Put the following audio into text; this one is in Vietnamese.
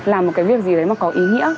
làm một việc gì đó có ý nghĩa